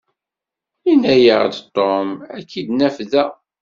Yenna-yaɣ-d Tom ad k-id-naf da.